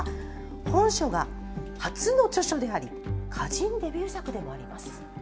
本書が初の著書であり歌人デビュー作でもあります。